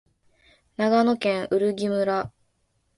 長野県売木村